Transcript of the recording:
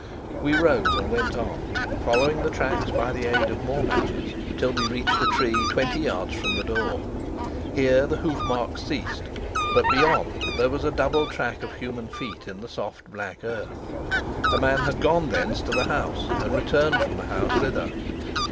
We rose and went on, following the tracks by the aid of more matches till we reached a tree twenty yards from the door. Here the hoof marks ceased; but beyond there was a double track of human feet in the soft black earth; a man had gone thence to the house and returned from the house thither.